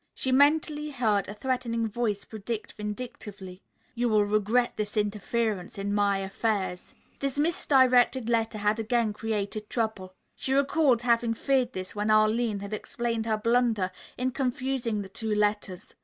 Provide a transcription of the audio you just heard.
She mentally heard a threatening voice predict vindictively, "You will regret this interference in my affairs." The misdirected letter had again created trouble. She recalled having feared this when Arline had explained her blunder in confusing the two letters.